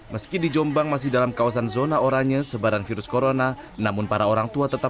meski di jombang masih dalam kawasan zona oranye sebaran virus corona namun para orang tua tetap